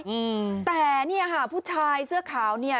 อืมแต่เนี้ยค่ะผู้ชายเสื้อขาวเนี่ย